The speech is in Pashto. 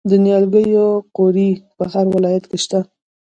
د نیالګیو قوریې په هر ولایت کې شته.